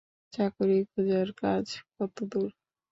চাকুরী খোজার কাজ কতদূর?